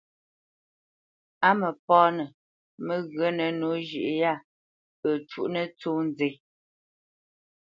Á mǝpǎnǝ mǝghyǝnǝ nǒ zhʉ́ ya pǝ cuʼnǝ tsó nzɛ́.